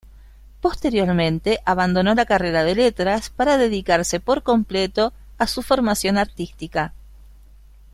Posteriormente abandono la carrera de Letras, para dedicarse por completo a su formación artística.